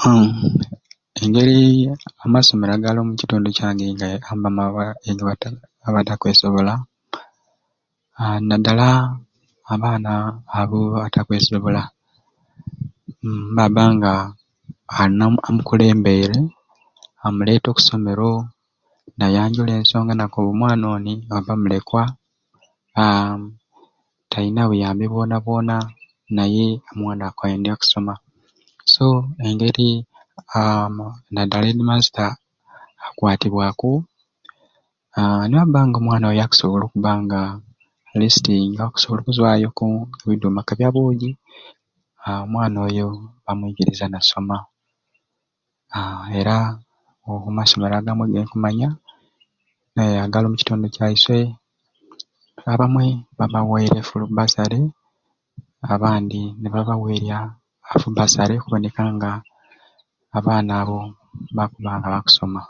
Aaaa engeri amasomero agali omukitundu kyange jegayambamu abata abatakwesobola aa nadala abaana abo abatakwesobola mmm mbaba nga ana amukulembeire amuleta oku someero nayanjula ensonga nakoba omwana oni oba mulekwa aa tayina buyambi bwona bwona omwana oni akwendya kusoma so nengeri aba nadala edimasita akwatibwaku aaa nibaganga omwana oyo akusobola okubba nga atilisiti akusobola okuzwayoku ebiduma nke bya buuji aaa omwana oyo bamwikiriza nasoma aaa era omu masomero agamwei gwenkumanya agali omu kitundu kyaiswe abamwei babawerya efulu basaare abandi nibabaweerya affu basaare okubonekanga abaana abo bakusoma.